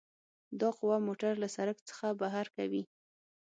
دا قوه موټر له سرک څخه بهر کوي